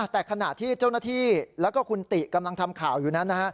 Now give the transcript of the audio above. แต่ขณะที่เจ้าหน้าที่แล้วก็คุณติกำลังทำข่าวอยู่นั้นนะฮะ